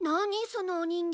そのお人形。